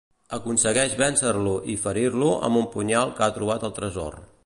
Aconsegueix vèncer-lo i ferir-lo amb un punyal que ha trobat al tresor.